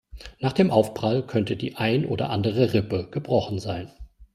Nach dem Aufprall könnte die ein oder andere Rippe gebrochen sein.